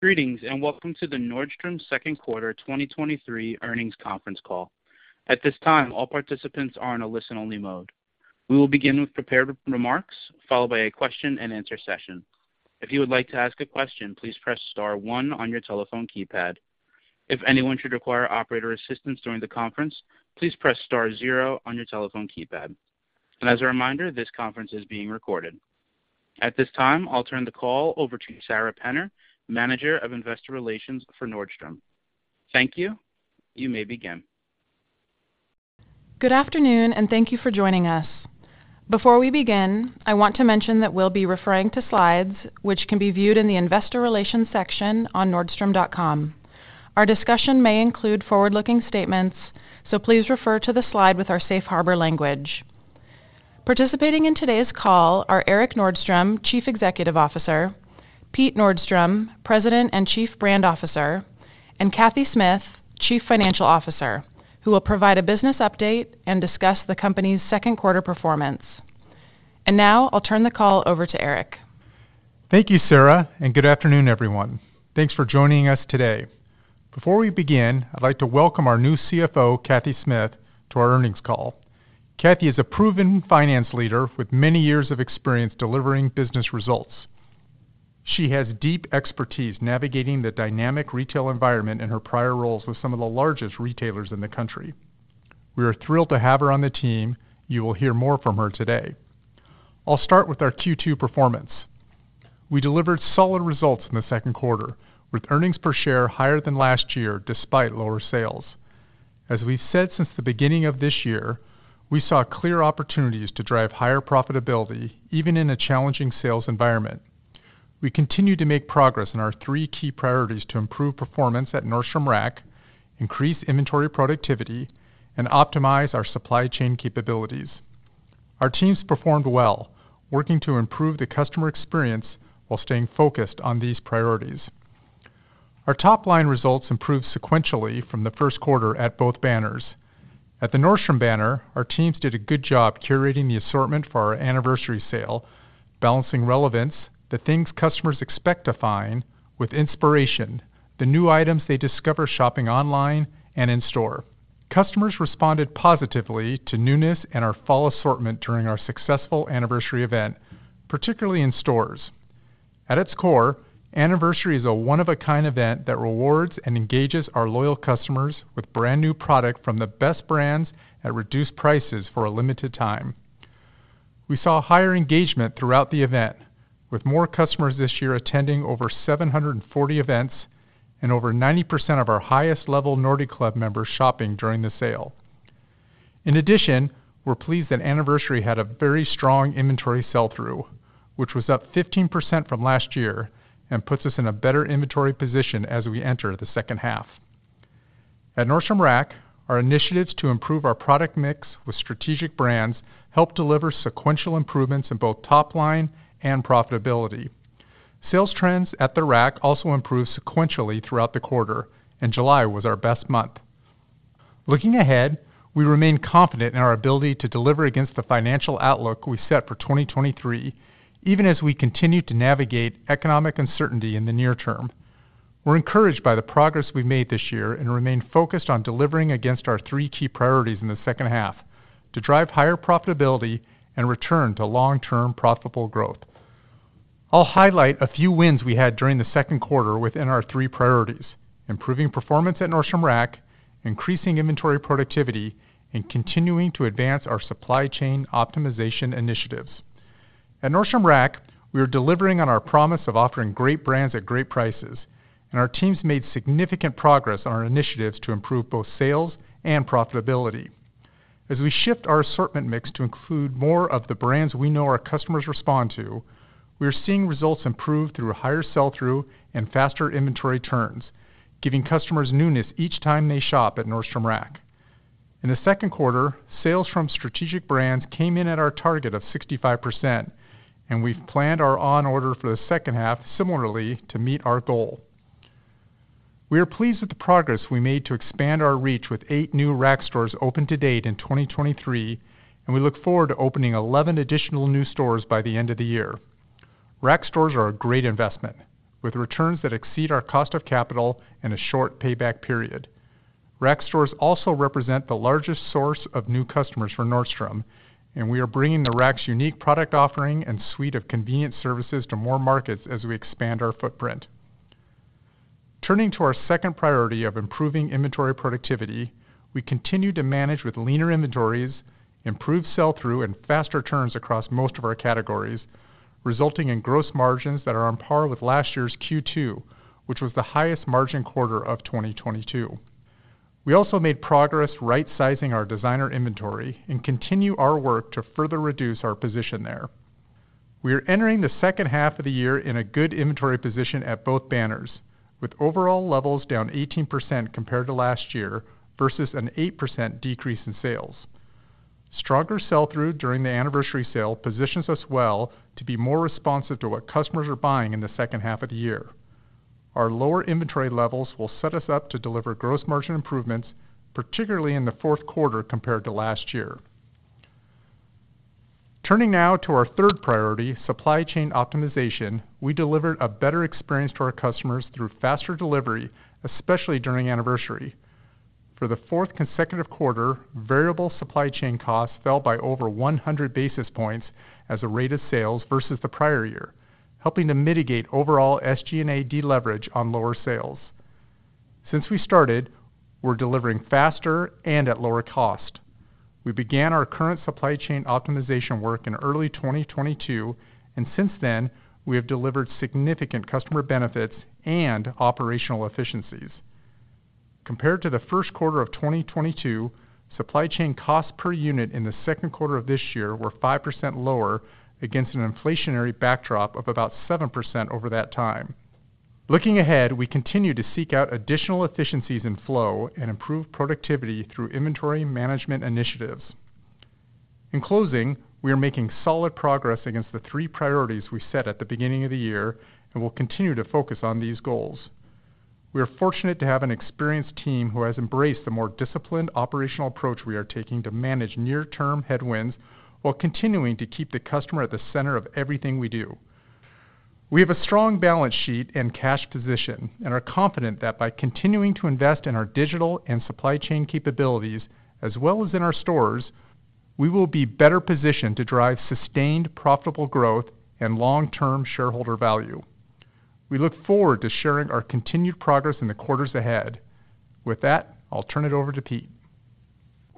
Greetings, and welcome to the Nordstrom Second Quarter 2023 Earnings Conference Call. At this time, all participants are in a listen-only mode. We will begin with prepared remarks, followed by a question-and-answer session. If you would like to ask a question, please press star one on your telephone keypad. If anyone should require operator assistance during the conference, please press star zero on your telephone keypad. And as a reminder, this conference is being recorded. At this time, I'll turn the call over to Sara Penner, Manager of Investor Relations for Nordstrom. Thank you. You may begin. Good afternoon, and thank you for joining us. Before we begin, I want to mention that we'll be referring to slides, which can be viewed in the Investor Relations section on Nordstrom.com. Our discussion may include forward-looking statements, so please refer to the slide with our safe harbor language. Participating in today's call are Erik Nordstrom, Chief Executive Officer, Pete Nordstrom, President and Chief Brand Officer, and Cathy Smith, Chief Financial Officer, who will provide a business update and discuss the company's second quarter performance. Now, I'll turn the call over to Erik. Thank you, Sara, and good afternoon, everyone. Thanks for joining us today. Before we begin, I'd like to welcome our new CFO, Cathy Smith, to our earnings call. Cathy is a proven finance leader with many years of experience delivering business results. She has deep expertise navigating the dynamic retail environment in her prior roles with some of the largest retailers in the country. We are thrilled to have her on the team. You will hear more from her today. I'll start with our Q2 performance. We delivered solid results in the second quarter, with earnings per share higher than last year, despite lower sales. As we've said since the beginning of this year, we saw clear opportunities to drive higher profitability, even in a challenging sales environment. We continued to make progress in our three key priorities to improve performance at Nordstrom Rack, increase inventory productivity, and optimize our supply chain capabilities. Our teams performed well, working to improve the customer experience while staying focused on these priorities. Our top-line results improved sequentially from the first quarter at both banners. At the Nordstrom banner, our teams did a good job curating the assortment for our Anniversary Sale, balancing relevance, the things customers expect to find with inspiration, the new items they discover shopping online and in store. Customers responded positively to newness and our fall assortment during our successful Anniversary event, particularly in stores. At its core, Anniversary is a one-of-a-kind event that rewards and engages our loyal customers with brand-new product from the best brands at reduced prices for a limited time. We saw higher engagement throughout the event, with more customers this year attending over 740 events and over 90% of our highest-level Nordy Club members shopping during the sale. In addition, we're pleased that Anniversary had a very strong inventory sell-through, which was up 15% from last year and puts us in a better inventory position as we enter the second half. At Nordstrom Rack, our initiatives to improve our product mix with strategic brands helped deliver sequential improvements in both top line and profitability. Sales trends at the Rack also improved sequentially throughout the quarter, and July was our best month. Looking ahead, we remain confident in our ability to deliver against the financial outlook we set for 2023, even as we continue to navigate economic uncertainty in the near term. We're encouraged by the progress we made this year and remain focused on delivering against our three key priorities in the second half to drive higher profitability and return to long-term profitable growth. I'll highlight a few wins we had during the second quarter within our three priorities: improving performance at Nordstrom Rack, increasing inventory productivity, and continuing to advance our supply chain optimization initiatives. At Nordstrom Rack, we are delivering on our promise of offering great brands at great prices, and our teams made significant progress on our initiatives to improve both sales and profitability. As we shift our assortment mix to include more of the brands we know our customers respond to, we are seeing results improve through higher sell-through and faster inventory turns, giving customers newness each time they shop at Nordstrom Rack. In the second quarter, sales from strategic brands came in at our target of 65%, and we've planned our on-order for the second half similarly to meet our goal. We are pleased with the progress we made to expand our reach with 8 new Rack stores open to date in 2023, and we look forward to opening 11 additional new stores by the end of the year. Rack stores are a great investment, with returns that exceed our cost of capital and a short payback period. Rack stores also represent the largest source of new customers for Nordstrom, and we are bringing the Rack's unique product offering and suite of convenient services to more markets as we expand our footprint. Turning to our second priority of improving inventory productivity, we continue to manage with leaner inventories, improved sell-through, and faster turns across most of our categories, resulting in gross margins that are on par with last year's Q2, which was the highest margin quarter of 2022. We also made progress right-sizing our designer inventory and continue our work to further reduce our position there. We are entering the second half of the year in a good inventory position at both banners, with overall levels down 18% compared to last year versus an 8% decrease in sales. Stronger sell-through during the Anniversary Sale positions us well to be more responsive to what customers are buying in the second half of the year. Our lower inventory levels will set us up to deliver gross margin improvements, particularly in the fourth quarter compared to last year. Turning now to our third priority, supply chain optimization, we delivered a better experience to our customers through faster delivery, especially during Anniversary. For the fourth consecutive quarter, variable supply chain costs fell by over 100 basis points as a rate of sales versus the prior year, helping to mitigate overall SG&A deleverage on lower sales. Since we started, we're delivering faster and at lower cost. We began our current supply chain optimization work in early 2022, and since then, we have delivered significant customer benefits and operational efficiencies. Compared to the first quarter of 2022, supply chain costs per unit in the second quarter of this year were 5% lower against an inflationary backdrop of about 7% over that time. Looking ahead, we continue to seek out additional efficiencies in flow and improve productivity through inventory management initiatives. In closing, we are making solid progress against the three priorities we set at the beginning of the year, and we'll continue to focus on these goals. We are fortunate to have an experienced team who has embraced the more disciplined operational approach we are taking to manage near-term headwinds while continuing to keep the customer at the center of everything we do. We have a strong balance sheet and cash position and are confident that by continuing to invest in our digital and supply chain capabilities, as well as in our stores, we will be better positioned to drive sustained, profitable growth and long-term shareholder value. We look forward to sharing our continued progress in the quarters ahead. With that, I'll turn it over to Pete.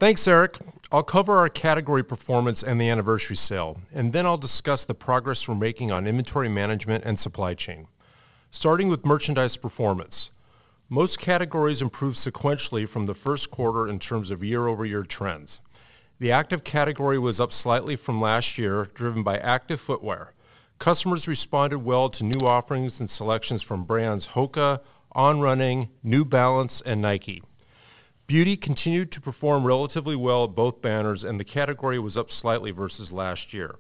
Thanks, Erik. I'll cover our category performance and the Anniversary Sale, and then I'll discuss the progress we're making on inventory management and supply chain. Starting with merchandise performance, most categories improved sequentially from the first quarter in terms of year-over-year trends. The active category was up slightly from last year, driven by active footwear. Customers responded well to new offerings and selections from brands HOKA, On Running, New Balance, and Nike. Beauty continued to perform relatively well at both banners, and the category was up slightly versus last year.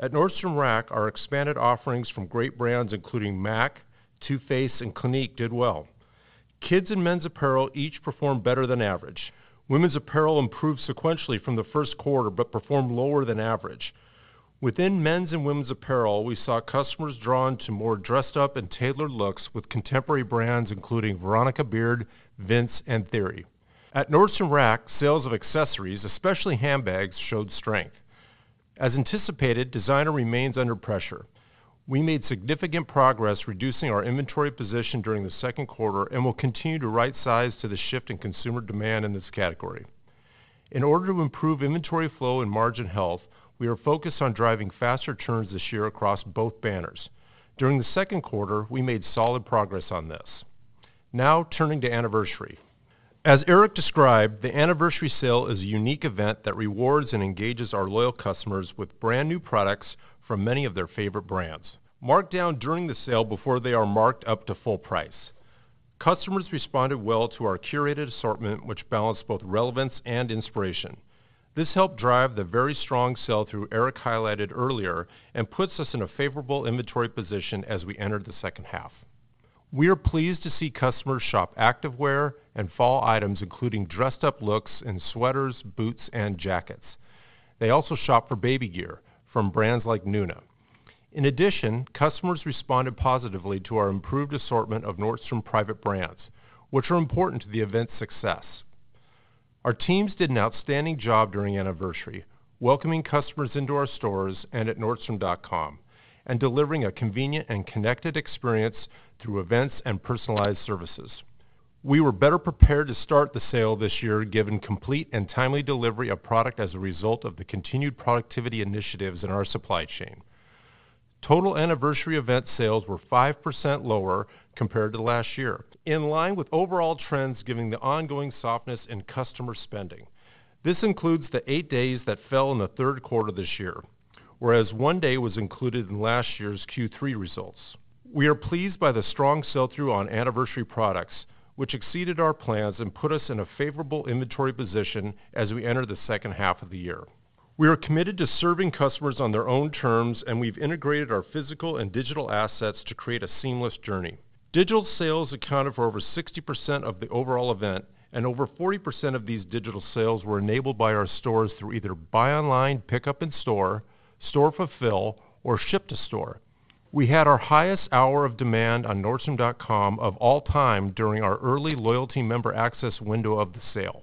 At Nordstrom Rack, our expanded offerings from great brands, including MAC, Too Faced, and Clinique, did well. Kids and men's apparel each performed better than average. Women's apparel improved sequentially from the first quarter, but performed lower than average. Within men's and women's apparel, we saw customers drawn to more dressed up and tailored looks with contemporary brands, including Veronica Beard, Vince, and Theory. At Nordstrom Rack, sales of accessories, especially handbags, showed strength. As anticipated, designer remains under pressure. We made significant progress reducing our inventory position during the second quarter and will continue to right-size to the shift in consumer demand in this category. In order to improve inventory flow and margin health, we are focused on driving faster turns this year across both banners. During the second quarter, we made solid progress on this. Now, turning to Anniversary. As Erik described, the Anniversary Sale is a unique event that rewards and engages our loyal customers with brand-new products from many of their favorite brands, marked down during the sale before they are marked up to full price. Customers responded well to our curated assortment, which balanced both relevance and inspiration. This helped drive the very strong sell-through Erik highlighted earlier and puts us in a favorable inventory position as we enter the second half. We are pleased to see customers shop activewear and fall items, including dressed-up looks and sweaters, boots, and jackets. They also shopped for baby gear from brands like Nuna. In addition, customers responded positively to our improved assortment of Nordstrom private brands, which are important to the event's success. Our teams did an outstanding job during Anniversary, welcoming customers into our stores and at Nordstrom.com, and delivering a convenient and connected experience through events and personalized services. We were better prepared to start the sale this year, given complete and timely delivery of product as a result of the continued productivity initiatives in our supply chain. Total Anniversary event sales were 5% lower compared to last year, in line with overall trends, given the ongoing softness in customer spending. This includes the eight days that fell in the third quarter this year, whereas one day was included in last year's Q3 results. We are pleased by the strong sell-through on Anniversary products, which exceeded our plans and put us in a favorable inventory position as we enter the second half of the year. We are committed to serving customers on their own terms, and we've integrated our physical and digital assets to create a seamless journey. Digital sales accounted for over 60% of the overall event, and over 40% of these digital sales were enabled by our stores through either buy online, pick up in store, store fulfill, or ship to store. We had our highest hour of demand on Nordstrom.com of all time during our early loyalty member access window of the sale.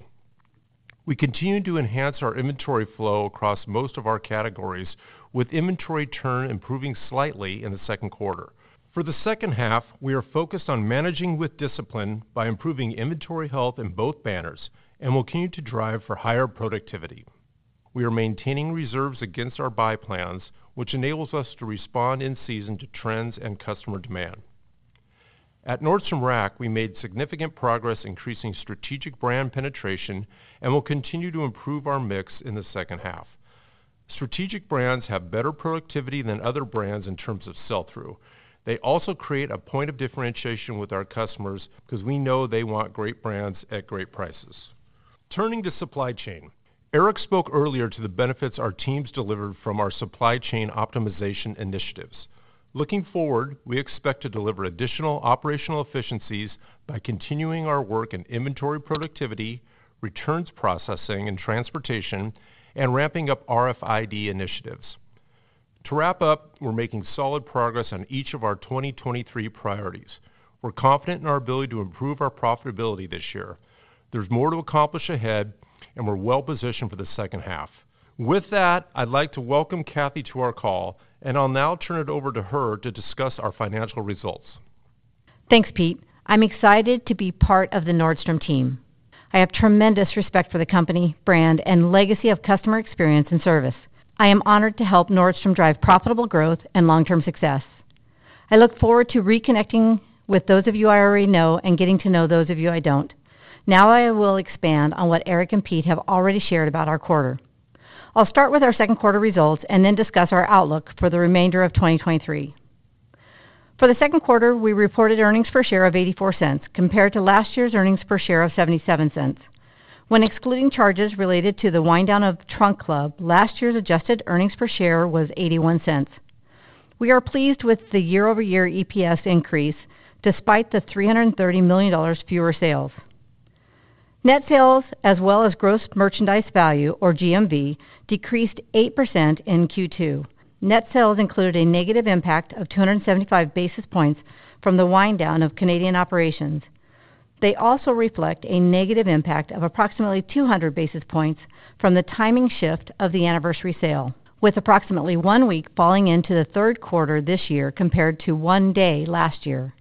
We continued to enhance our inventory flow across most of our categories, with inventory turn improving slightly in the second quarter. For the second half, we are focused on managing with discipline by improving inventory health in both banners and will continue to drive for higher productivity. We are maintaining reserves against our buy plans, which enables us to respond in-season to trends and customer demand. At Nordstrom Rack, we made significant progress increasing strategic brands penetration and will continue to improve our mix in the second half. Strategic brands have better productivity than other brands in terms of sell-through. They also create a point of differentiation with our customers because we know they want great brands at great prices. Turning to supply chain, Erik spoke earlier to the benefits our teams delivered from our supply chain optimization initiatives. Looking forward, we expect to deliver additional operational efficiencies by continuing our work in inventory productivity, returns processing and transportation, and ramping up RFID initiatives. To wrap up, we're making solid progress on each of our 2023 priorities. We're confident in our ability to improve our profitability this year. There's more to accomplish ahead, and we're well positioned for the second half. With that, I'd like to welcome Cathy to our call, and I'll now turn it over to her to discuss our financial results. Thanks, Pete. I'm excited to be part of the Nordstrom team. I have tremendous respect for the company, brand, and legacy of customer experience and service. I am honored to help Nordstrom drive profitable growth and long-term success. I look forward to reconnecting with those of you I already know and getting to know those of you I don't. Now, I will expand on what Erik and Pete have already shared about our quarter. I'll start with our second quarter results and then discuss our outlook for the remainder of 2023. For the second quarter, we reported earnings per share of $0.84 compared to last year's earnings per share of $0.77. When excluding charges related to the wind-down of Trunk Club, last year's adjusted earnings per share was $0.81. We are pleased with the year-over-year EPS increase, despite the $330 million fewer sales. Net sales, as well as gross merchandise value, or GMV, decreased 8% in Q2. Net sales included a negative impact of 275 basis points from the wind-down of Canadian operations. They also reflect a negative impact of approximately 200 basis points from the timing shift of the Anniversary Sale, with approximately one week falling into the third quarter this year compared to one day last year.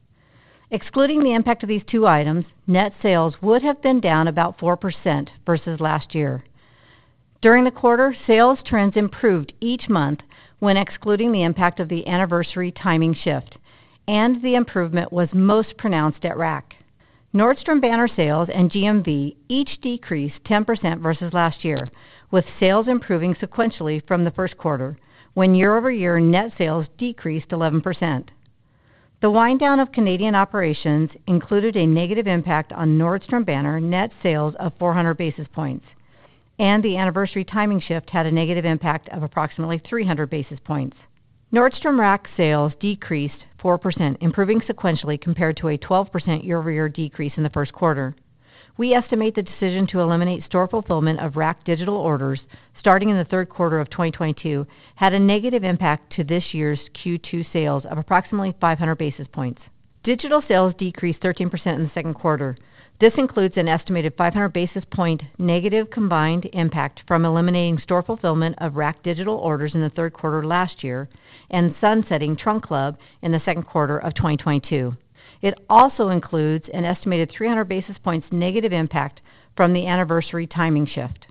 Excluding the impact of these two items, net sales would have been down about 4% versus last year. During the quarter, sales trends improved each month when excluding the impact of the Anniversary timing shift, and the improvement was most pronounced at Rack. Nordstrom banner sales and GMV each decreased 10% versus last year, with sales improving sequentially from the first quarter, when year-over-year net sales decreased 11%. The wind-down of Canadian operations included a negative impact on Nordstrom banner net sales of 400 basis points, and the anniversary timing shift had a negative impact of approximately 300 basis points. Nordstrom Rack sales decreased 4%, improving sequentially compared to a 12% year-over-year decrease in the first quarter. We estimate the decision to eliminate store fulfillment of Rack digital orders starting in the third quarter of 2022, had a negative impact to this year's Q2 sales of approximately 500 basis points. Digital sales decreased 13% in the second quarter. This includes an estimated 500 basis points negative combined impact from eliminating store fulfillment of Rack digital orders in the third quarter last year and sunsetting Trunk Club in the second quarter of 2022. It also includes an estimated 300 basis points negative impact from the Anniversary timing shift.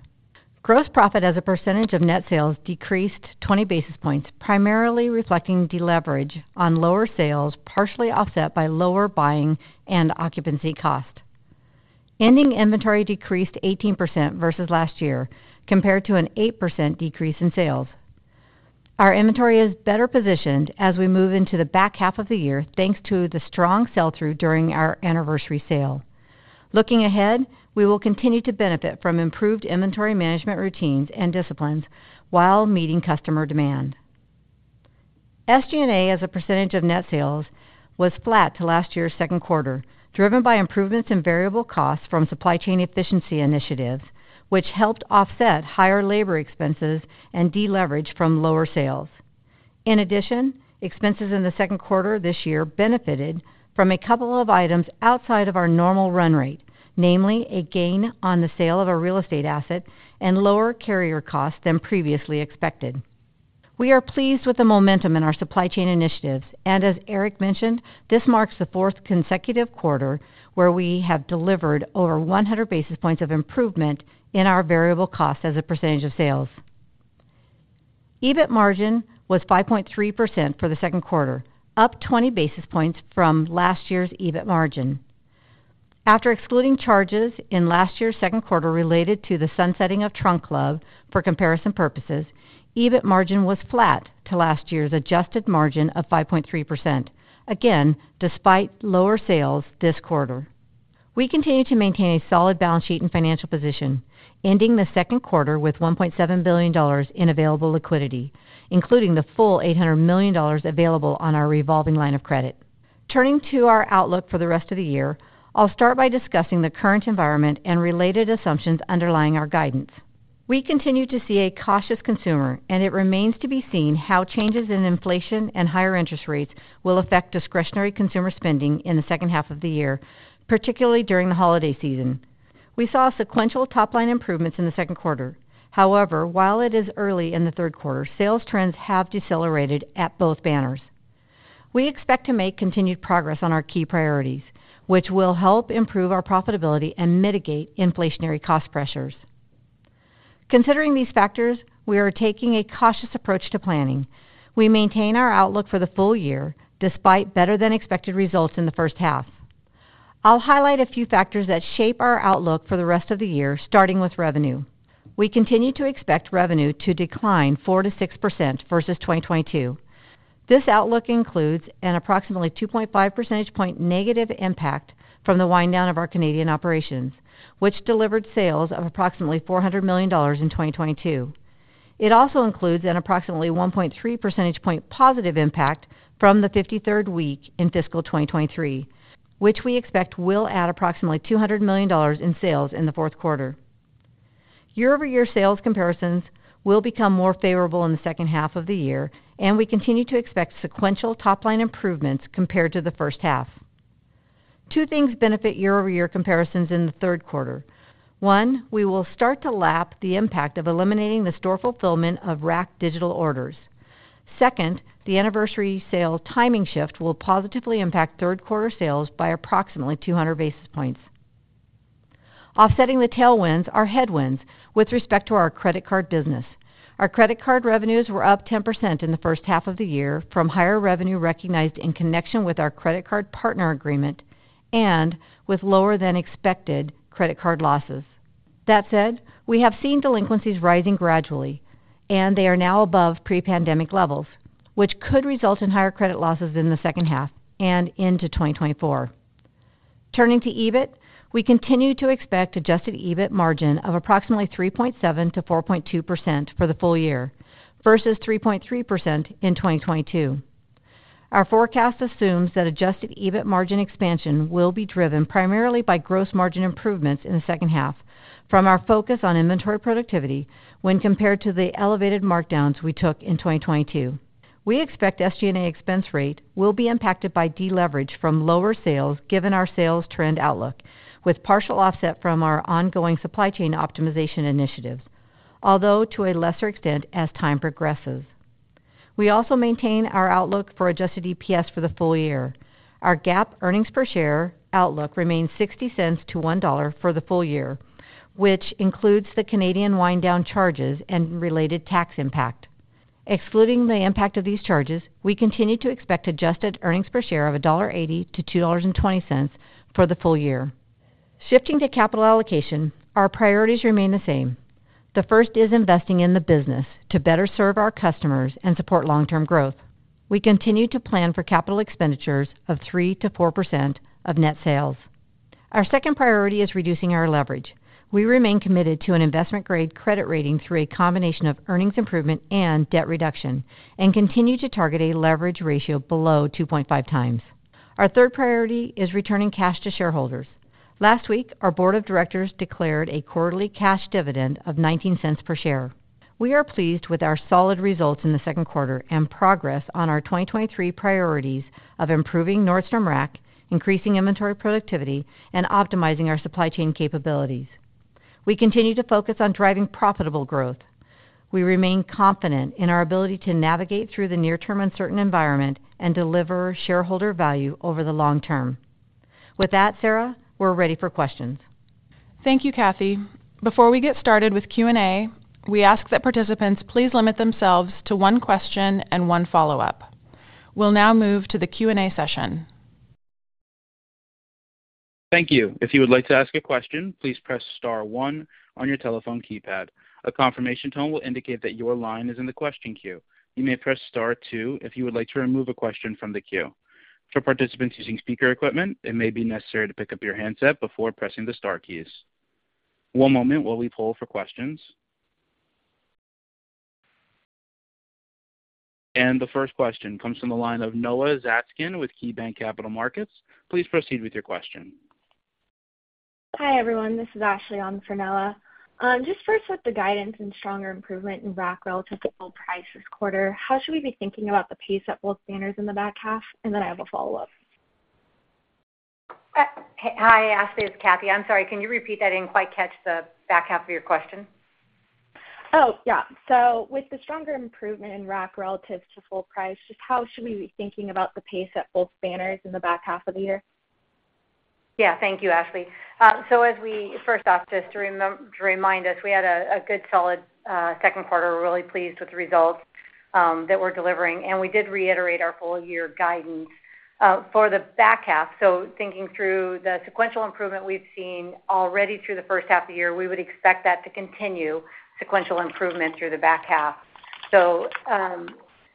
Gross profit as a percentage of net sales decreased 20 basis points, primarily reflecting deleverage on lower sales, partially offset by lower buying and occupancy cost. Ending inventory decreased 18% versus last year, compared to an 8% decrease in sales. Our inventory is better positioned as we move into the back half of the year, thanks to the strong sell-through during our Anniversary Sale. Looking ahead, we will continue to benefit from improved inventory management routines and disciplines while meeting customer demand. SG&A, as a percentage of net sales, was flat to last year's second quarter, driven by improvements in variable costs from supply chain efficiency initiatives, which helped offset higher labor expenses and deleverage from lower sales. In addition, expenses in the second quarter this year benefited from a couple of items outside of our normal run rate, namely a gain on the sale of a real estate asset and lower carrier costs than previously expected. We are pleased with the momentum in our supply chain initiatives, and as Erik mentioned, this marks the fourth consecutive quarter where we have delivered over 100 basis points of improvement in our variable cost as a percentage of sales. EBIT margin was 5.3% for the second quarter, up 20 basis points from last year's EBIT margin. After excluding charges in last year's second quarter related to the sunsetting of Trunk Club for comparison purposes, EBIT margin was flat to last year's adjusted margin of 5.3%. Again, despite lower sales this quarter. We continue to maintain a solid balance sheet and financial position, ending the second quarter with $1.7 billion in available liquidity, including the full $800 million available on our revolving line of credit. Turning to our outlook for the rest of the year, I'll start by discussing the current environment and related assumptions underlying our guidance. We continue to see a cautious consumer, and it remains to be seen how changes in inflation and higher interest rates will affect discretionary consumer spending in the second half of the year, particularly during the holiday season. We saw sequential top-line improvements in the second quarter. However, while it is early in the third quarter, sales trends have decelerated at both banners. We expect to make continued progress on our key priorities, which will help improve our profitability and mitigate inflationary cost pressures. Considering these factors, we are taking a cautious approach to planning. We maintain our outlook for the full year, despite better than expected results in the first half. I'll highlight a few factors that shape our outlook for the rest of the year, starting with revenue. We continue to expect revenue to decline 4%-6% versus 2022. This outlook includes an approximately 2.5 percentage point negative impact from the wind-down of our Canadian operations, which delivered sales of approximately $400 million in 2022. It also includes an approximately 1.3 percentage point positive impact from the 53rd week in fiscal 2023, which we expect will add approximately $200 million in sales in the fourth quarter. Year-over-year sales comparisons will become more favorable in the second half of the year, and we continue to expect sequential top-line improvements compared to the first half. Two things benefit year-over-year comparisons in the third quarter. One, we will start to lap the impact of eliminating the store fulfillment of Rack digital orders. Second, the Anniversary Sale timing shift will positively impact third quarter sales by approximately 200 basis points. Offsetting the tailwinds are headwinds with respect to our credit card business. Our credit card revenues were up 10% in the first half of the year from higher revenue recognized in connection with our credit card partner agreement and with lower than expected credit card losses. That said, we have seen delinquencies rising gradually, and they are now above pre-pandemic levels, which could result in higher credit losses in the second half and into 2024. Turning to EBIT, we continue to expect adjusted EBIT margin of approximately 3.7%-4.2% for the full year, versus 3.3% in 2022. Our forecast assumes that adjusted EBIT margin expansion will be driven primarily by gross margin improvements in the second half from our focus on inventory productivity when compared to the elevated markdowns we took in 2022. We expect SG&A expense rate will be impacted by deleverage from lower sales, given our sales trend outlook, with partial offset from our ongoing supply chain optimization initiatives, although to a lesser extent as time progresses. We also maintain our outlook for adjusted EPS for the full year. Our GAAP earnings per share outlook remains $0.60-$1.00 for the full year, which includes the Canadian wind-down charges and related tax impact. Excluding the impact of these charges, we continue to expect adjusted earnings per share of $1.80-$2.20 for the full year. Shifting to capital allocation, our priorities remain the same. The first is investing in the business to better serve our customers and support long-term growth. We continue to plan for capital expenditures of 3%-4% of net sales. Our second priority is reducing our leverage. We remain committed to an investment-grade credit rating through a combination of earnings improvement and debt reduction, and continue to target a leverage ratio below 2.5 times. Our third priority is returning cash to shareholders. Last week, our board of directors declared a quarterly cash dividend of $0.19 per share. We are pleased with our solid results in the second quarter and progress on our 2023 priorities of improving Nordstrom Rack, increasing inventory productivity, and optimizing our supply chain capabilities. We continue to focus on driving profitable growth. We remain confident in our ability to navigate through the near-term uncertain environment and deliver shareholder value over the long term. With that, Sara, we're ready for questions. Thank you, Cathy. Before we get started with Q&A, we ask that participants please limit themselves to one question and one follow-up. We'll now move to the Q&A session. Thank you. If you would like to ask a question, please press star one on your telephone keypad. A confirmation tone will indicate that your line is in the question queue. You may press star two if you would like to remove a question from the queue. For participants using speaker equipment, it may be necessary to pick up your handset before pressing the star keys. One moment while we poll for questions. The first question comes from the line of Noah Zatzkin with KeyBanc Capital Markets. Please proceed with your question. Hi, everyone, this is Ashley on for Noah. Just first, with the guidance and stronger improvement in Rack relative to full price this quarter, how should we be thinking about the pace at both banners in the back half? And then I have a follow-up. Hi, Ashley, it's Cathy. I'm sorry, can you repeat that? I didn't quite catch the back half of your question. Oh, yeah. So with the stronger improvement in Rack relative to full price, just how should we be thinking about the pace at both banners in the back half of the year? Yeah, thank you, Ashley. So as we-- first off, just to remind us, we had a, a good solid second quarter. We're really pleased with the results that we're delivering, and we did reiterate our full year guidance. For the back half, so thinking through the sequential improvement we've seen already through the first half of the year, we would expect that to continue sequential improvement through the back half. So,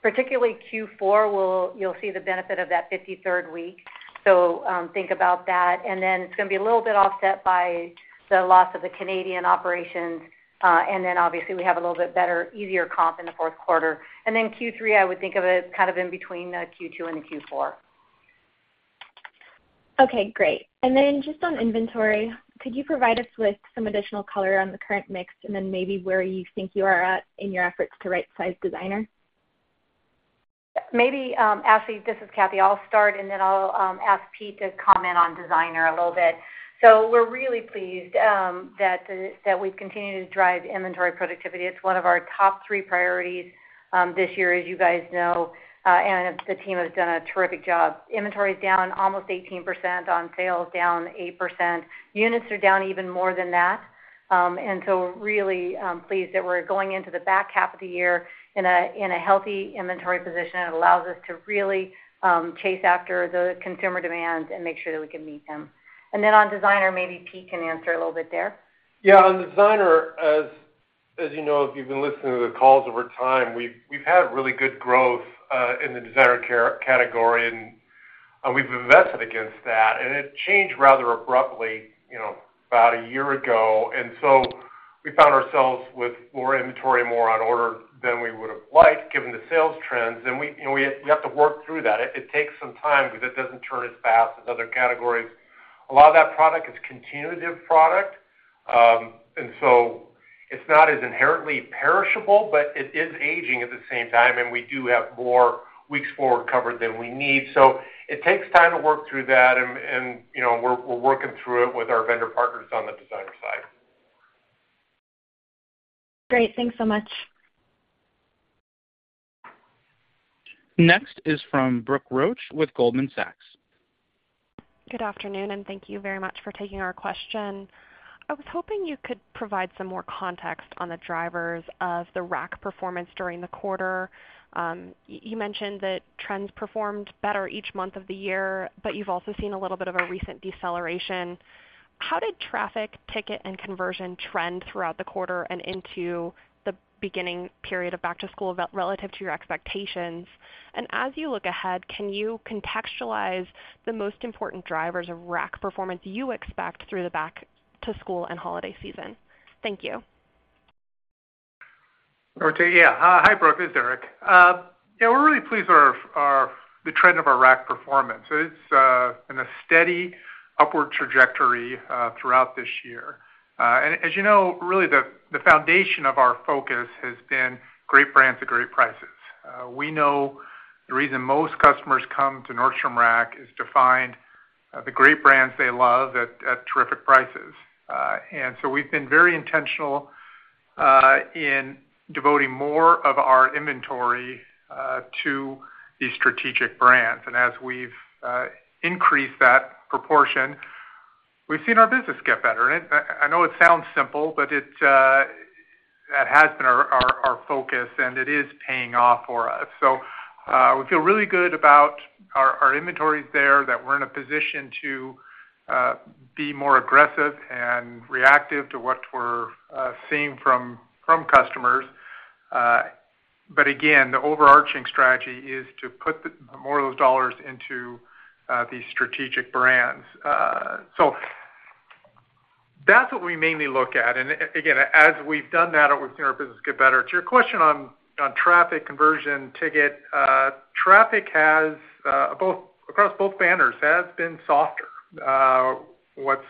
particularly Q4, we'll-- you'll see the benefit of that 53rd week. So, think about that, and then it's gonna be a little bit offset by the loss of the Canadian operations. And then obviously, we have a little bit better, easier comp in the fourth quarter. And then Q3, I would think of it as kind of in between the Q2 and the Q4. Okay, great. And then just on inventory, could you provide us with some additional color on the current mix, and then maybe where you think you are at in your efforts to right-size designer? Maybe, Ashley, this is Cathy. I'll start, and then I'll ask Pete to comment on designer a little bit. So we're really pleased that we've continued to drive inventory productivity. It's one of our top three priorities this year, as you guys know, and the team has done a terrific job. Inventory is down almost 18% on sales, down 8%. Units are down even more than that. And so we're really pleased that we're going into the back half of the year in a healthy inventory position, and it allows us to really chase after the consumer demands and make sure that we can meet them. And then on designer, maybe Pete can answer a little bit there. Yeah, on designer, as you know, if you've been listening to the calls over time, we've had really good growth in the designer category, and we've invested against that. It changed rather abruptly, you know, about a year ago, and so we found ourselves with more inventory, more on-order than we would have liked, given the sales trends. And we, you know, we have to work through that. It takes some time because it doesn't turn as fast as other categories. A lot of that product is continuative product, and so it's not as inherently perishable, but it is aging at the same time, and we do have more weeks forward covered than we need. So it takes time to work through that, and you know, we're working through it with our vendor partners on the designer side. Great. Thanks so much. Next is from Brooke Roach with Goldman Sachs. Good afternoon, and thank you very much for taking our question. I was hoping you could provide some more context on the drivers of the Rack performance during the quarter. You mentioned that trends performed better each month of the year, but you've also seen a little bit of a recent deceleration. How did traffic, ticket, and conversion trend throughout the quarter and into the beginning period of back-to-school, relative to your expectations? And as you look ahead, can you contextualize the most important drivers of Rack performance you expect through the back-to-school and holiday season? Thank you. Okay. Yeah. Hi, Brooke. It's Erik. Yeah, we're really pleased with the trend of our Rack performance. It's in a steady upward trajectory throughout this year. And as you know, really, the foundation of our focus has been great brands at great prices. We know the reason most customers come to Nordstrom Rack is to find the great brands they love at terrific prices. And so we've been very intentional in devoting more of our inventory to these strategic brands. And as we've increased that proportion, we've seen our business get better. And I know it sounds simple, but that has been our focus, and it is paying off for us. So, we feel really good about our inventories there, that we're in a position to be more aggressive and reactive to what we're seeing from customers. But again, the overarching strategy is to put more of those dollars into these strategic brands. So that's what we mainly look at. And again, as we've done that, we've seen our business get better. To your question on traffic, conversion, ticket, traffic has across both banners, has been softer. What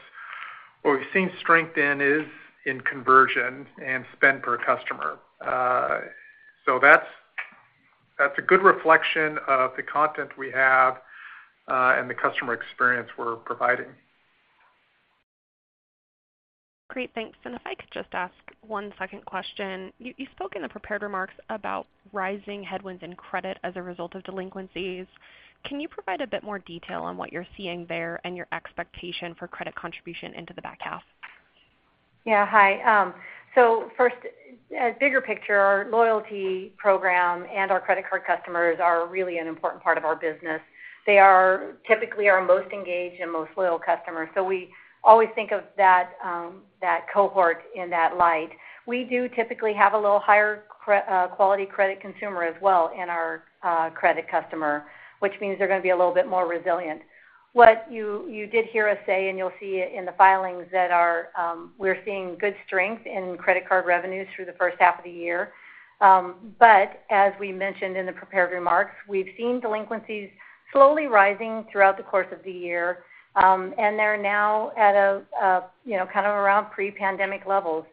we've seen strength in is in conversion and spend per customer. So that's a good reflection of the content we have and the customer experience we're providing. Great. Thanks. If I could just ask one second question. You spoke in the prepared remarks about rising headwinds in credit as a result of delinquencies. Can you provide a bit more detail on what you're seeing there and your expectation for credit contribution into the back half? Yeah. Hi. So first, as bigger picture, our loyalty program and our credit card customers are really an important part of our business. They are typically our most engaged and most loyal customers. So we always think of that cohort in that light. We do typically have a little higher quality credit consumer as well in our credit customer, which means they're gonna be a little bit more resilient. What you did hear us say, and you'll see it in the filings, that our. We're seeing good strength in credit card revenues through the first half of the year. But as we mentioned in the prepared remarks, we've seen delinquencies slowly rising throughout the course of the year, and they're now at a you know kind of around pre-pandemic levels.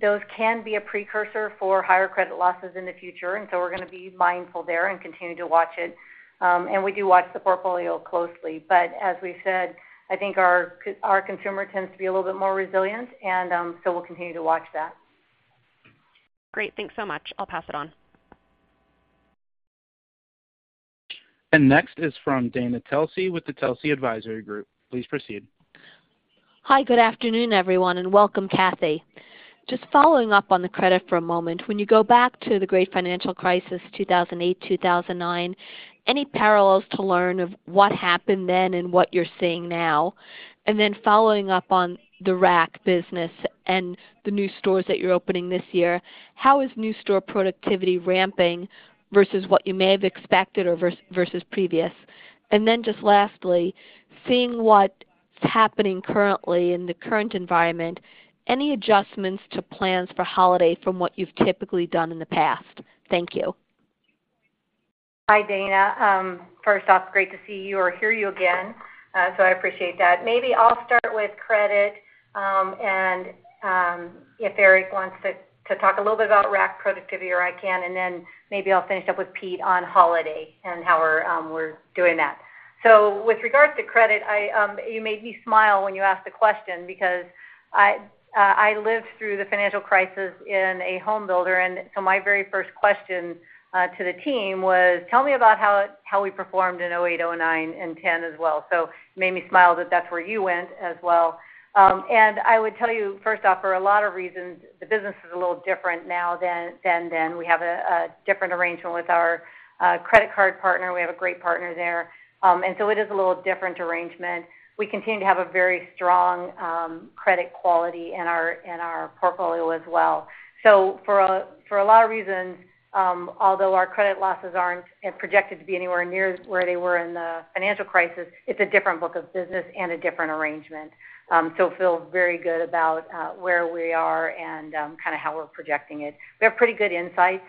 Those can be a precursor for higher credit losses in the future, and so we're gonna be mindful there and continue to watch it. We do watch the portfolio closely. But as we said, I think our consumer tends to be a little bit more resilient, and so we'll continue to watch that. Great. Thanks so much. I'll pass it on. Next is from Dana Telsey with the Telsey Advisory Group. Please proceed. Hi. Good afternoon, everyone, and welcome, Cathy. Just following up on the credit for a moment. When you go back to the great financial crisis, 2008, 2009, any parallels to learn of what happened then and what you're seeing now? And then following up on the Rack business and the new stores that you're opening this year, how is new store productivity ramping versus what you may have expected or versus previous? And then just lastly, seeing what's happening currently in the current environment, any adjustments to plans for holiday from what you've typically done in the past? Thank you. Hi, Dana. First off, great to see you or hear you again. So I appreciate that. Maybe I'll start with credit, and if Erik wants to talk a little bit about Rack productivity, or I can, and then maybe I'll finish up with Pete on holiday and how we're doing that. So with regards to credit, you made me smile when you asked the question because I lived through the financial crisis in a home builder, and so my very first question to the team was: Tell me about how we performed in 2008, 2009, and 2010 as well. So it made me smile that that's where you went as well. And I would tell you, first off, for a lot of reasons, the business is a little different now than then. We have a different arrangement with our credit card partner. We have a great partner there. And so it is a little different arrangement. We continue to have a very strong credit quality in our portfolio as well. So for a lot of reasons, although our credit losses aren't projected to be anywhere near where they were in the financial crisis, it's a different book of business and a different arrangement. So feel very good about where we are and kind of how we're projecting it. We have pretty good insights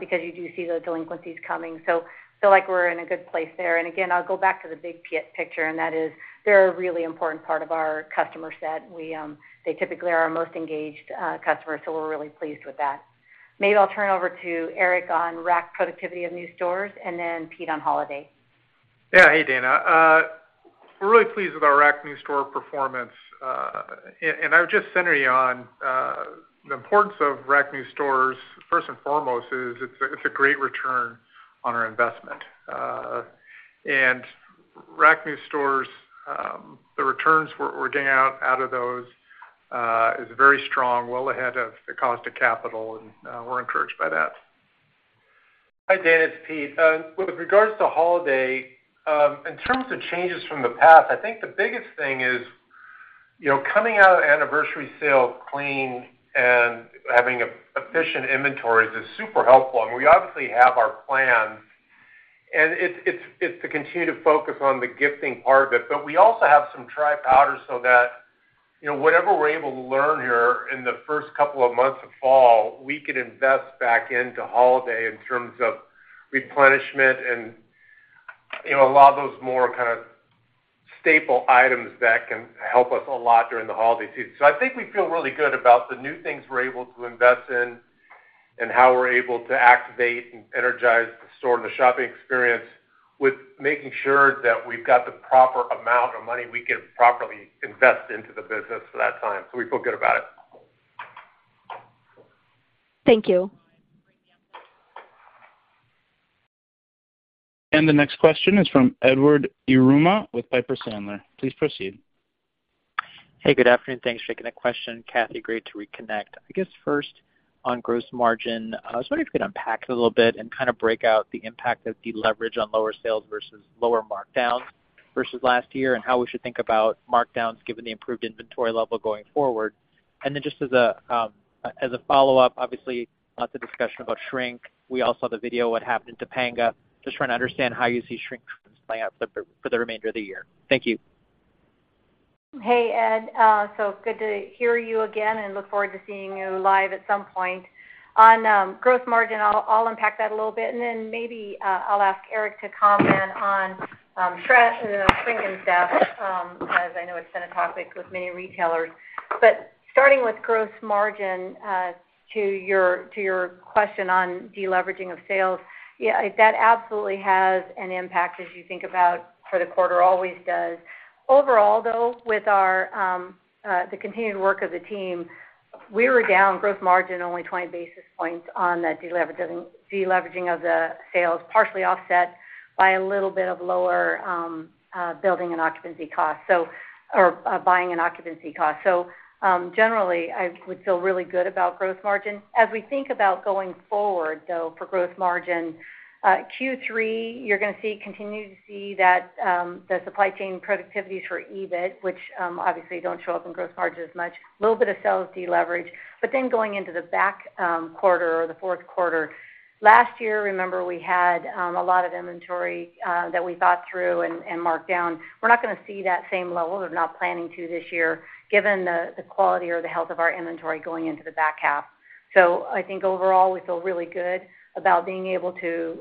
because you do see the delinquencies coming, so feel like we're in a good place there. And again, I'll go back to the big picture, and that is they're a really important part of our customer set. They typically are our most engaged customers, so we're really pleased with that. Maybe I'll turn it over to Erik on Rack productivity of new stores and then Pete on holiday. Yeah. Hey, Dana. We're really pleased with our Rack new store performance. And I would just center you on the importance of Rack new stores. First and foremost, it's a great return on our investment. And Rack new stores, the returns we're getting out of those is very strong, well ahead of the cost of capital, and we're encouraged by that. Hi, Dana, it's Pete. With regards to holiday, in terms of changes from the past, I think the biggest thing is, you know, coming out of Anniversary Sale clean and having efficient inventories is super helpful. And we obviously have our plans, and it's to continue to focus on the gifting part of it. But we also have some dry powder so that, you know, whatever we're able to learn here in the first couple of months of fall, we can invest back into holiday in terms of replenishment and, you know, a lot of those more kind of staple items that can help us a lot during the holiday season. So I think we feel really good about the new things we're able to invest in and how we're able to activate and energize the store and the shopping experience, with making sure that we've got the proper amount of money we can properly invest into the business for that time. So we feel good about it. Thank you. The next question is from Edward Yruma with Piper Sandler. Please proceed. Hey, good afternoon. Thanks for taking the question. Cathy, great to reconnect. I guess, first, on gross margin, I was wondering if you could unpack it a little bit and kind of break out the impact of deleverage on lower sales versus lower markdowns versus last year, and how we should think about markdowns given the improved inventory level going forward. And then just as a, as a follow-up, obviously, the discussion about shrink. We all saw the video, what happened in Topanga. Just trying to understand how you see shrink playing out for the remainder of the year. Thank you. Hey, Ed, so good to hear you again, and look forward to seeing you live at some point. On gross margin, I'll unpack that a little bit, and then maybe, I'll ask Erik to comment on shrink and theft, as I know it's been a topic with many retailers. But starting with gross margin, to your question on deleveraging of sales. Yeah, that absolutely has an impact as you think about for the quarter, always does. Overall, though, with our continued work of the team, we were down gross margin only 20 basis points on that deleveraging of the sales, partially offset by a little bit of lower building and occupancy costs, so or buying and occupancy costs. So, generally, I would feel really good about gross margin. As we think about going forward, though, for gross margin, Q3, you're gonna see, continue to see that the supply chain productivities for EBIT, which obviously don't show up in gross margin as much, a little bit of sales deleverage. But then going into the back quarter or the fourth quarter, last year, remember, we had a lot of inventory that we thought through and marked down. We're not gonna see that same level. We're not planning to this year, given the quality or the health of our inventory going into the back half. So I think overall, we feel really good about being able to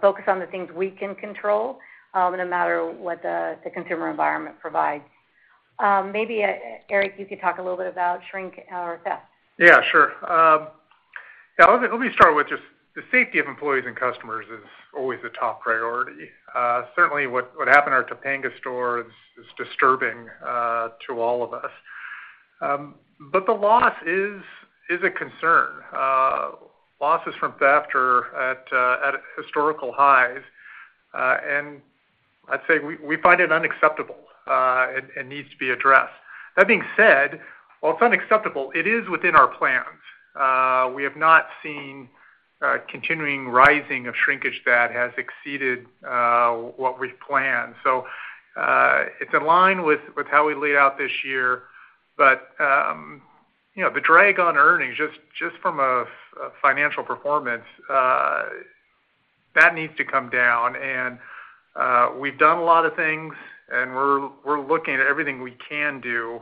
focus on the things we can control, no matter what the consumer environment provides. Maybe, Erik, you could talk a little bit about shrink or theft. Yeah, sure. Yeah, let me start with just the safety of employees and customers is always a top priority. Certainly, what happened at our Topanga store is disturbing to all of us. But the loss is a concern. Losses from theft are at historical highs, and I'd say we find it unacceptable, and needs to be addressed. That being said, while it's unacceptable, it is within our plans. We have not seen a continuing rising of shrinkage that has exceeded what we've planned. So, it's in line with how we laid out this year. But, you know, the drag on earnings, just from a financial performance, that needs to come down. And we've done a lot of things, and we're looking at everything we can do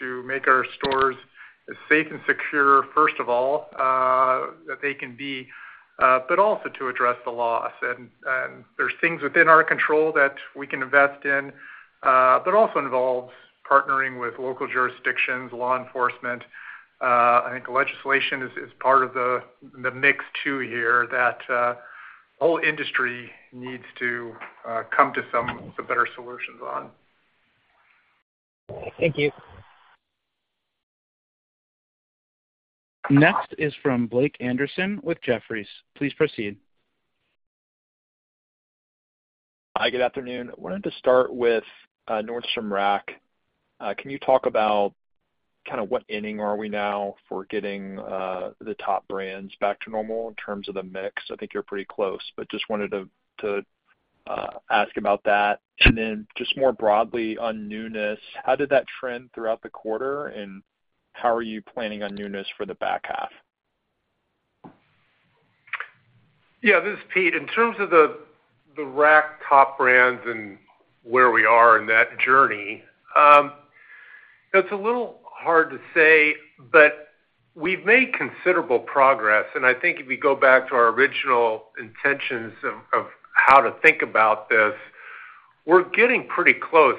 to make our stores as safe and secure, first of all, that they can be, but also to address the loss. And there's things within our control that we can invest in, but also involves partnering with local jurisdictions, law enforcement. I think legislation is part of the mix too here, that the whole industry needs to come to some better solutions on. Thank you. Next is from Blake Anderson with Jefferies. Please proceed. Hi, good afternoon. I wanted to start with Nordstrom Rack. Can you talk about kind of what inning are we now for getting the top brands back to normal in terms of the mix? I think you're pretty close, but just wanted to ask about that. And then just more broadly on newness, how did that trend throughout the quarter, and how are you planning on newness for the back half? Yeah, this is Pete. In terms of the Rack top brands and where we are in that journey, it's a little hard to say, but we've made considerable progress, and I think if we go back to our original intentions of how to think about this, we're getting pretty close.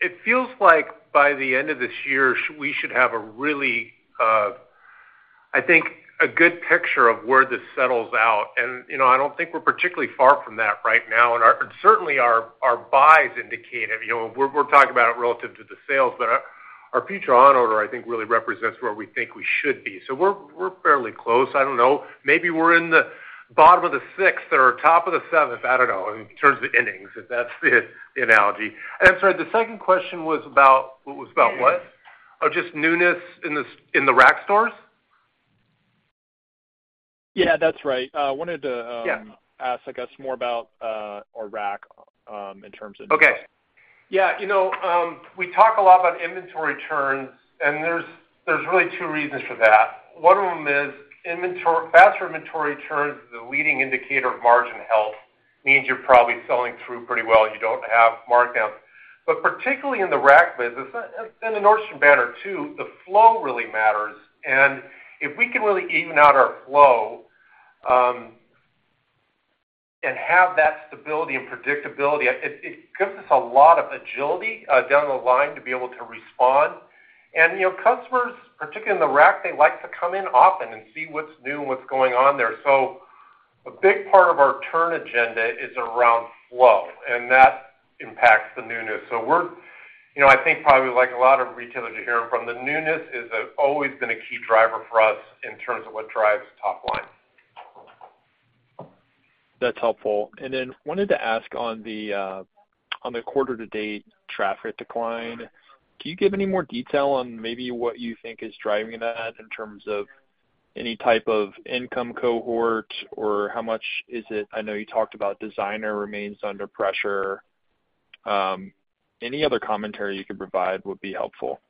It feels like by the end of this year, we should have a really. I think a good picture of where this settles out. And, you know, I don't think we're particularly far from that right now. And our buys indicated, you know, we're talking about it relative to the sales, but our future on-order, I think, really represents where we think we should be. So we're fairly close. I don't know. Maybe we're in the bottom of the sixth or top of the seventh, I don't know, in terms of innings, if that's the analogy. And I'm sorry, the second question was about, what was about what? Oh, just newness in the rack stores? Yeah, that's right. Wanted to. Yeah. Ask, I guess, more about, our rack, in terms of. Okay. Yeah, you know, we talk a lot about inventory turns, and there's really two reasons for that. One of them is inventory, faster inventory turns is the leading indicator of margin health, means you're probably selling through pretty well, and you don't have markdowns. But particularly in the rack business, and in the Nordstrom banner, too, the flow really matters. And if we can really even out our flow, and have that stability and predictability, it gives us a lot of agility, down the line to be able to respond. And, you know, customers, particularly in the rack, they like to come in often and see what's new and what's going on there. So a big part of our turn agenda is around flow, and that impacts the newness. So we're, you know, I think probably like a lot of retailers you're hearing from, the newness is always been a key driver for us in terms of what drives top line. That's helpful. And then wanted to ask on the, on the quarter to date traffic declines, can you give any more detail on maybe what you think is driving that in terms of any type of income cohort, or how much is it? I know you talked about designer remains under pressure. Any other commentary you could provide would be helpful.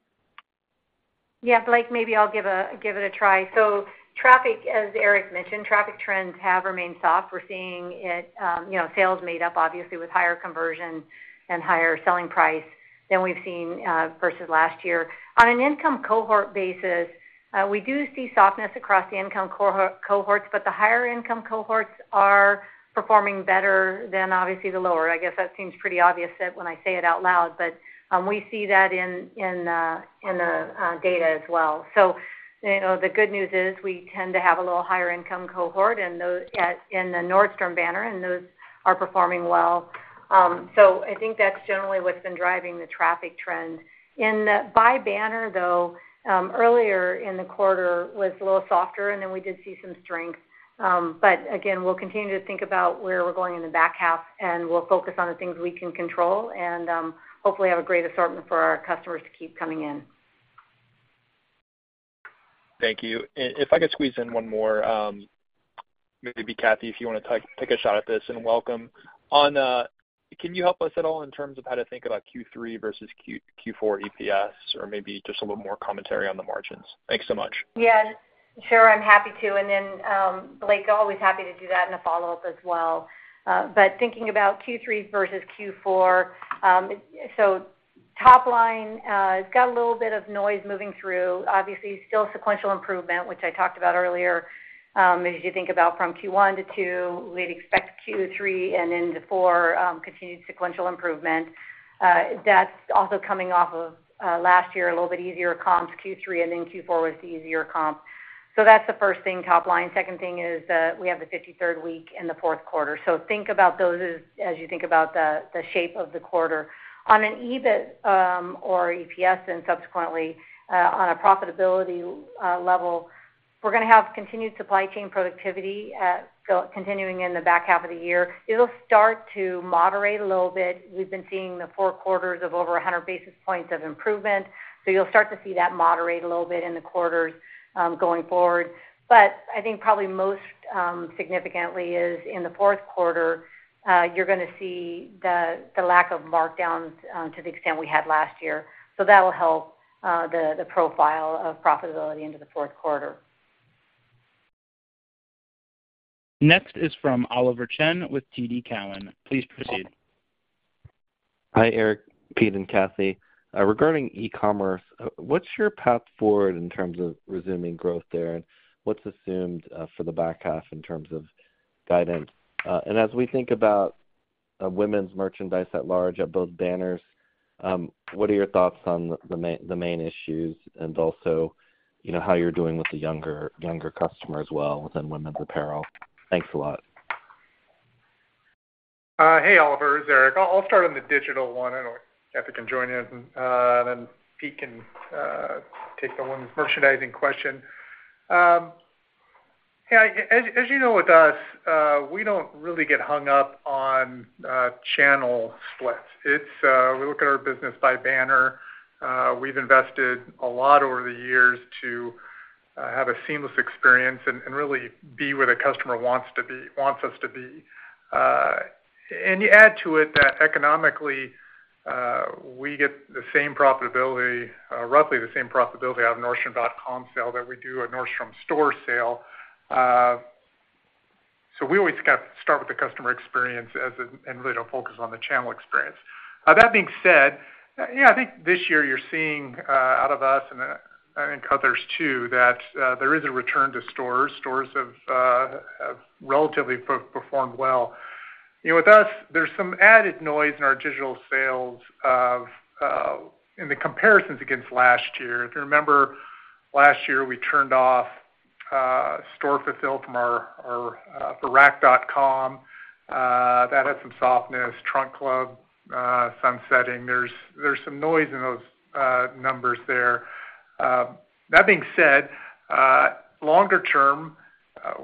Yeah, Blake, maybe I'll give it a try. So traffic, as Erik mentioned, traffic trends have remained soft. We're seeing it, you know, sales made up obviously with higher conversion and higher selling price than we've seen versus last year. On an income cohort basis, we do see softness across the income cohorts, but the higher income cohorts are performing better than obviously the lower. I guess that seems pretty obvious that when I say it out loud, but we see that in the data as well. So, you know, the good news is we tend to have a little higher income cohort and those in the Nordstrom banner, and those are performing well. So I think that's generally what's been driving the traffic trend. In the by banner, though, earlier in the quarter was a little softer, and then we did see some strength. But again, we'll continue to think about where we're going in the back half, and we'll focus on the things we can control, and hopefully, have a great assortment for our customers to keep coming in. Thank you. And if I could squeeze in one more, maybe Cathy, if you wanna take a shot at this, and welcome. Can you help us at all in terms of how to think about Q3 versus Q4 EPS, or maybe just a little more commentary on the margins? Thanks so much. Yeah, sure. I'm happy to. And then, Blake, always happy to do that in a follow-up as well. But thinking about Q3 versus Q4, so top line has got a little bit of noise moving through. Obviously, still sequential improvement, which I talked about earlier. As you think about from Q1 to 2, we'd expect Q3 and into 4, continued sequential improvement. That's also coming off of last year, a little bit easier comps, Q3 and then Q4 with the easier comp. So that's the first thing, top line. Second thing is, we have the 53rd week in the fourth quarter. So think about those as you think about the shape of the quarter. On an EBIT or EPS, and subsequently on a profitability level, we're gonna have continued supply chain productivity, so continuing in the back half of the year. It'll start to moderate a little bit. We've been seeing the 4 quarters of over 100 basis points of improvement, so you'll start to see that moderate a little bit in the quarters going forward. But I think probably most significantly is in the fourth quarter, you're gonna see the lack of markdowns to the extent we had last year. So that'll help the profile of profitability into the fourth quarter. Next is from Oliver Chen with TD Cowen. Please proceed. Hi, Erik, Pete, and Cathy. Regarding e-commerce, what's your path forward in terms of resuming growth there? And what's assumed for the back half in terms of guidance? And as we think about women's merchandise at large, at both banners, what are your thoughts on the main issues? And also, you know, how you're doing with the younger, younger customer as well within women's apparel? Thanks a lot. Hey, Oliver, it's Erik. I'll start on the digital one, and Cathy can join in, and then Pete can take the women's merchandising question. Yeah, as you know, with us, we don't really get hung up on channel splits. It's we look at our business by banner. We've invested a lot over the years to have a seamless experience and really be where the customer wants to be - wants us to be. And you add to it that economically, we get the same profitability, roughly the same profitability out of Nordstrom.com sale that we do at Nordstrom store sale. So we always got to start with the customer experience as in - and really focus on the channel experience. That being said, yeah, I think this year you're seeing out of us and others, too, that there is a return to stores. Stores have relatively performed well. You know, with us, there's some added noise in our digital sales of in the comparisons against last year. If you remember, last year, we turned off store fulfill from our our for Rack.com that had some softness. Trunk Club sunsetting. There's some noise in those numbers there. That being said, longer term,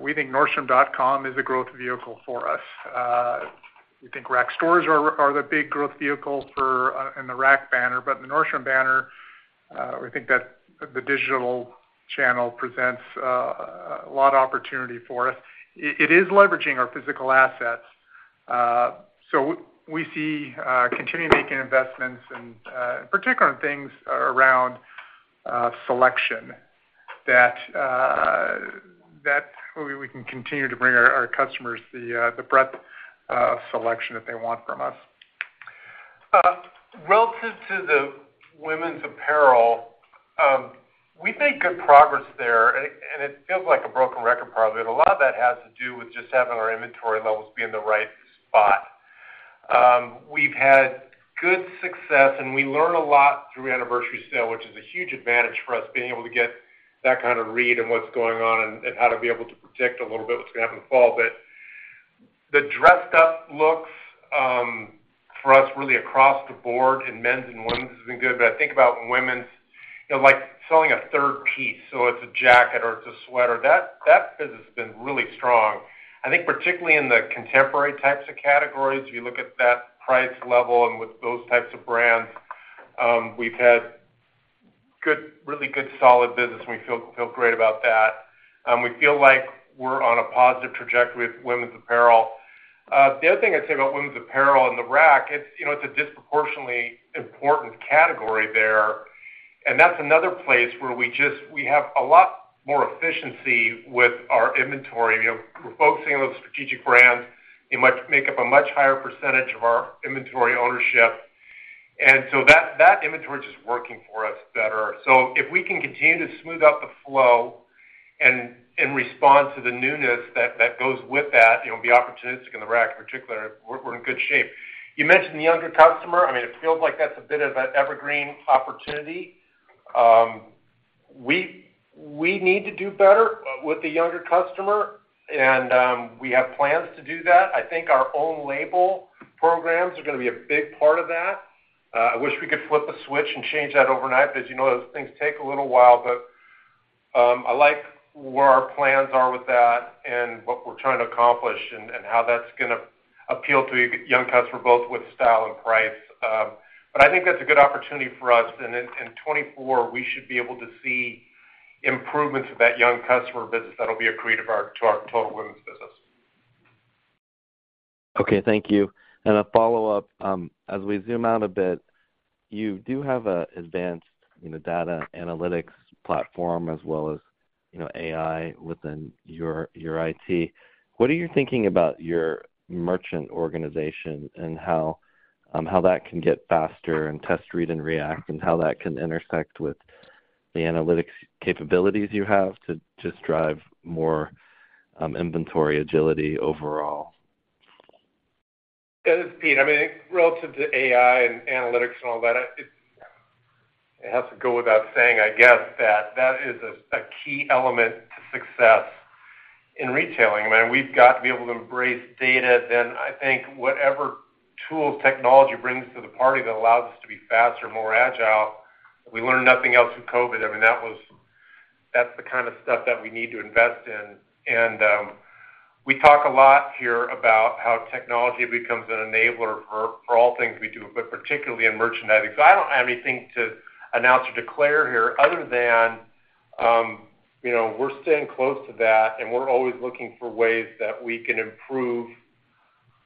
we think Nordstrom.com is a growth vehicle for us. We think Rack stores are the big growth vehicle for in the Rack banner. But the Nordstrom banner, we think that the digital channel presents a lot of opportunity for us. It is leveraging our physical assets. So we see continuing making investments and, particularly on things around, selection, that we can continue to bring our customers the breadth of selection that they want from us. Relative to the women's apparel, we've made good progress there, and it feels like a broken record probably, but a lot of that has to do with just having our inventory levels be in the right spot. We've had good success, and we learn a lot through Anniversary Sale, which is a huge advantage for us, being able to get that kind of read on what's going on and how to be able to predict a little bit what's going to happen in the fall. But the dressed-up looks, for us, really across the board in men's and women's has been good. But I think about in women's, you know, like selling a third piece, so it's a jacket or it's a sweater. That business has been really strong. I think particularly in the contemporary types of categories, you look at that price level and with those types of brands, we've had good, really good, solid business, and we feel great about that. We feel like we're on a positive trajectory with women's apparel. The other thing I'd say about women's apparel and the Rack, it's, you know, it's a disproportionately important category there, and that's another place where we just, we have a lot more efficiency with our inventory. You know, we're focusing on those strategic brands. They make up a much higher percentage of our inventory ownership, and so that inventory is just working for us better. So if we can continue to smooth out the flow and respond to the newness that goes with that, you know, be opportunistic in the Rack in particular, we're in good shape. You mentioned the younger customer. I mean, it feels like that's a bit of an evergreen opportunity. We need to do better with the younger customer, and we have plans to do that. I think our own label programs are gonna be a big part of that. I wish we could flip a switch and change that overnight, but as you know, those things take a little while. But, I like where our plans are with that and what we're trying to accomplish and how that's gonna appeal to a young customer, both with style and price. But I think that's a good opportunity for us. And in 2024, we should be able to see improvements of that young customer business that'll be accretive to our total women's business. Relative to the AI and analytics and all that, it has to go without saying, I guess, that that is a key element to success in retailing. I mean, we've got to be able to embrace data, then I think whatever tools technology brings to the party that allows us to be faster, more agile. If we learned nothing else from COVID, I mean, that was, that's the kind of stuff that we need to invest in. We talk a lot here about how technology becomes an enabler for all things we do, but particularly in merchandising. So I don't have anything to announce or declare here other than, you know, we're staying close to that, and we're always looking for ways that we can improve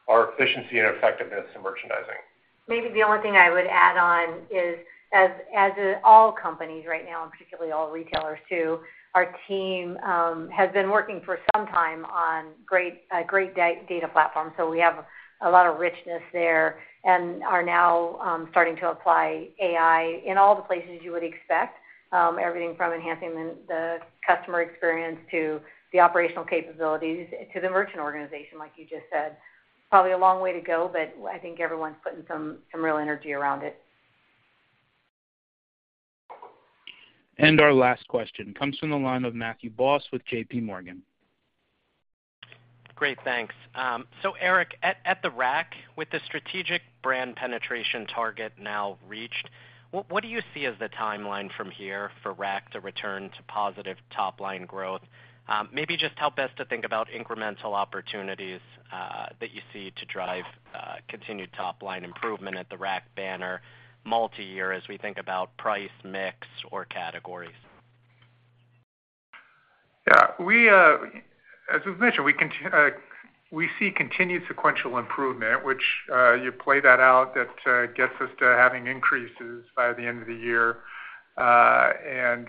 our efficiency and effectiveness in merchandising. Maybe the only thing I would add on is, as in all companies right now, and particularly all retailers too, our team has been working for some time on great data platforms. So we have a lot of richness there and are now starting to apply AI in all the places you would expect. Everything from enhancing the customer experience to the operational capabilities, to the merchant organization, like you just said. Probably a long way to go, but I think everyone's putting some real energy around it. Our last question comes from the line of Matthew Boss with JPMorgan. Great, thanks. So Erik, at the Rack, with the strategic brand penetration target now reached, what do you see as the timeline from here for Rack to return to positive top-line growth? Maybe just help us to think about incremental opportunities that you see to drive continued top-line improvement at the Rack banner multiyear, as we think about price, mix, or categories. Yeah, we, as we've mentioned, we see continued sequential improvement, which, you play that out, that, gets us to having increases by the end of the year. And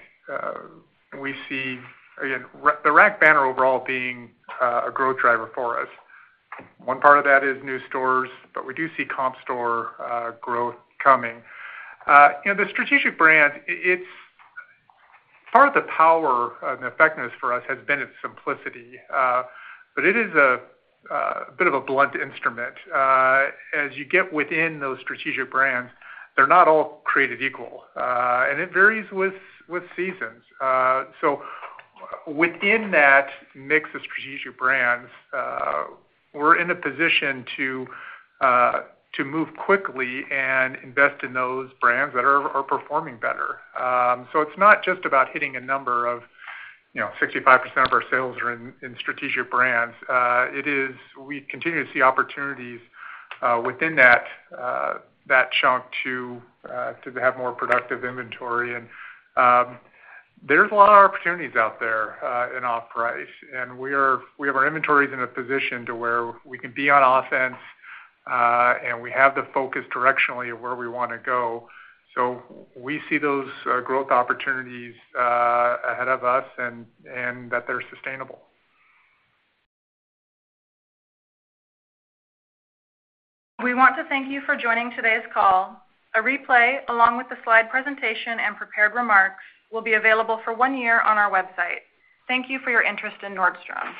we see, again, the Rack banner overall being a growth driver for us. One part of that is new stores, but we do see comp store growth coming. You know, the strategic brand, it's part of the power and effectiveness for us has been its simplicity. But it is a bit of a blunt instrument. As you get within those strategic brands, they're not all created equal, and it varies with seasons. So within that mix of strategic brands, we're in a position to move quickly and invest in those brands that are performing better. So it's not just about hitting a number of, you know, 65% of our sales are in strategic brands. It is. We continue to see opportunities within that chunk to have more productive inventory. And there's a lot of opportunities out there in off-price, and we are. We have our inventories in a position to where we can be on offense, and we have the focus directionally of where we want to go. So we see those growth opportunities ahead of us and that they're sustainable. We want to thank you for joining today's call. A replay, along with the slide presentation and prepared remarks, will be available for one year on our website. Thank you for your interest in Nordstrom.